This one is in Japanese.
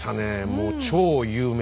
もう超有名。